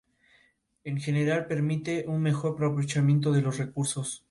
De este proceso queda azúcar y una miel final llamada melaza.